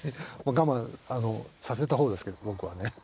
我慢させた方ですけど僕はね。